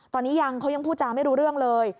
ตอนนี้ยังเขายังพูดจาไม่รู้เรื่องเลย